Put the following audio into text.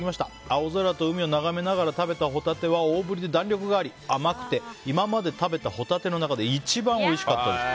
青空と海を眺めながら食べたホタテは大ぶりで弾力があり甘くて今まで食べたホタテの中で一番おいしかったです。